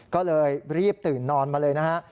ก็เลยรีบตื่นนอนมาเลยนะฮะ